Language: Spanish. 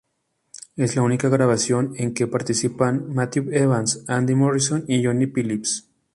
Es la única grabación en que participan Matthew Evans, Andi Morris y Johnny Phillips.